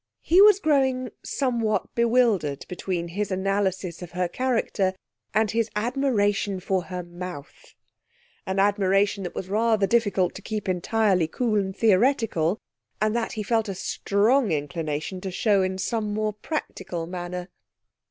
He was growing somewhat bewildered between his analysis of her character and his admiration for her mouth, an admiration that was rather difficult to keep entirely cool and theoretical, and that he felt a strong inclination to show in some more practical manner....